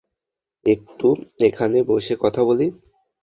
একটু এখানে বসে কথা বলি?